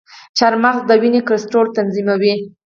چارمغز د وینې کلسترول تنظیموي.